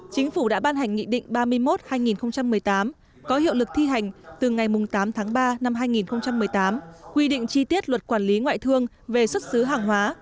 chính phủ đã ban hành nghị định ba mươi một hai nghìn một mươi tám có hiệu lực thi hành từ ngày tám tháng ba năm hai nghìn một mươi tám quy định chi tiết luật quản lý ngoại thương về xuất xứ hàng hóa